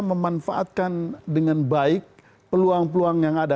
memanfaatkan dengan baik peluang peluang yang ada